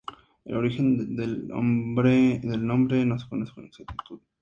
El origen del nombre no se conoce con exactitud.